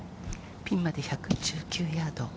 ピンまで１１９ヤード。